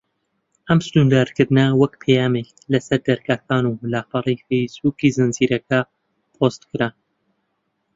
ئەم سنوردارکردنانە وەک پەیامێک لە سەر دەرگاکان و لاپەڕەی فەیس بووکی زنجیرەکە پۆست کران.